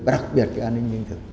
và đặc biệt là an ninh nhân thực